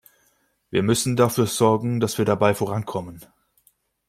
Wir müssen dafür sorgen, dass wir dabei vorankommen.